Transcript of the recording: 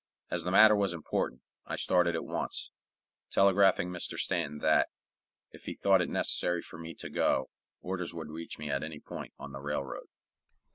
As the matter was important, I started at once, telegraphing Mr. Stanton that, if he thought it unnecessary for me to go, orders would reach me at any point on the railroad.